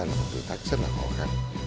là một thử thách rất là khó